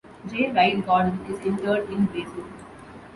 J. Wright Gordon is interred in Brazil.